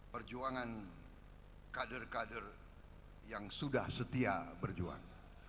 perjuangan kader kader yang sudah setia berjuang